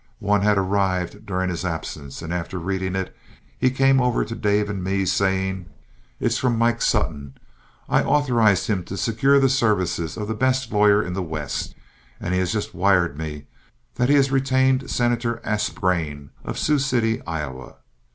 One had arrived during his absence, and after reading it, he came over to Dave and me, saying: "It's from Mike Sutton. I authorized him to secure the services of the best lawyer in the West, and he has just wired me that he has retained Senator Aspgrain of Sioux City, Iowa.